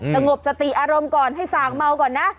สงบสติอารมณ์ก่อนให้สางเมาก่อนนะ